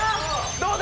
どうだ？